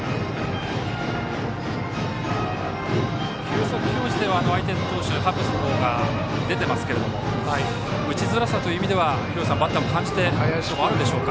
球速表示では相手投手のハッブスの方が出ていますけれども打ちづらさという意味ではバッターも感じているところがあるでしょうか。